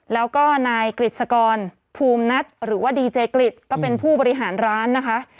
แล้วก็นายกฤษกรภูมินัทหรือว่าดีเจกริจก็เป็นผู้บริหารร้านนะคะ